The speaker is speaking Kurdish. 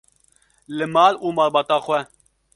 li mal û malbata xwe.